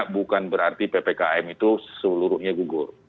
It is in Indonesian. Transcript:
bukan berarti ppkm itu seluruhnya gugur